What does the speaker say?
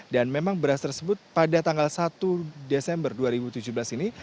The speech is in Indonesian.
dan memang beras tersebut pada tanggal satu desember dua ribu tujuh belas ini